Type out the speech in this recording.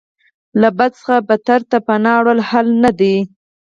له بد څخه بدتر ته پناه وړل حل نه دی.